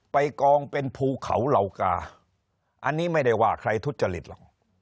กองเป็นภูเขาเหล่ากาอันนี้ไม่ได้ว่าใครทุจริตหรอก